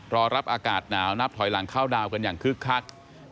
รอรับอากาศหนาวนับถอยหลังเข้าดาวกันอย่างคึกคัก